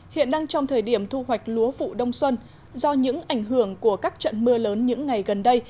hiện đang trong thời điểm thu hoạch lúa vụ đông xuân do những ảnh hưởng của các trận mưa lớn những ngày gần đây